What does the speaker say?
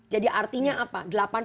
jadi artinya apa